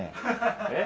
えっ？